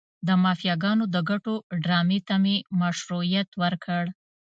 د مافیاګانو د ګټو ډرامې ته یې مشروعیت ورکړ.